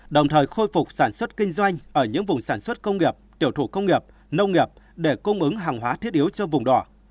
đồng thời khôi phục sản xuất kinh doanh ở những vùng sản xuất công nghiệp tiểu thủ công nghiệp nông nghiệp để cung ứng hàng hóa thiết yếu cho vùng đỏ